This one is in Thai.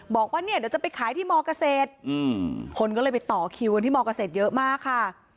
บอกว่าเนี่ยเดี๋ยวจะไปขายที่มเกษตรคนก็เลยไปต่อคิวกันที่มเกษตรเยอะมากค่ะ